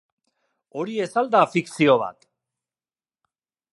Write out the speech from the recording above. Hori ez al da fikzio bat?